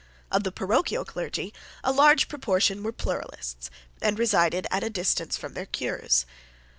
Of the parochial clergy a large proportion were pluralists and resided at a distance from their cures.